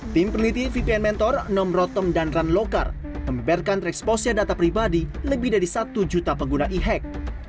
tim peneliti vpn mentor nom rotom dan ran lokar memberkan tereksposnya data pribadi lebih dari satu juta pengguna ihek